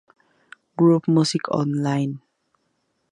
Grove Music Online.